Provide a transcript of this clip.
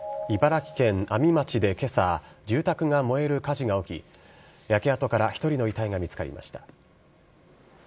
茨城県阿見町でけさ、住宅が燃える火事が起き、焼け跡から１人の遺体が見つかりました。